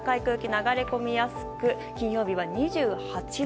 流れ込みやすく金曜日は２８度。